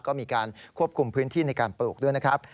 ก็มีการควบคุมพื้นที่ในการปลูกด้วยนะครับ